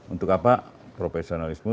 untuk apa profesionalisme